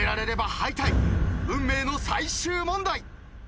運命の最終問題！